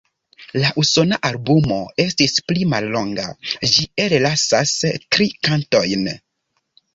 La Usona albumo estis pli mallonga; ĝi ellasas tri kantojn.